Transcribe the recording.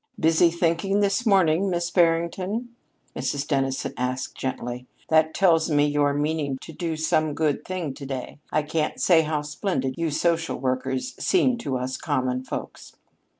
"Busy thinking this morning, Miss Barrington?" Mrs. Dennison asked gently. "That tells me you're meaning to do some good thing to day. I can't say how splendid you social workers seem to us common folks."